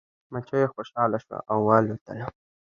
مچۍ خوشحاله شوه او والوتله.